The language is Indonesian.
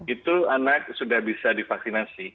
itu anak sudah bisa divaksinasi